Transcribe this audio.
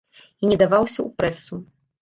І не даваўся ў прэсу.